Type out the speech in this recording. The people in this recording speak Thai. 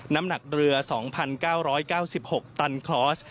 น้ำหนักเรือ๒๙๙๖ตันคลอส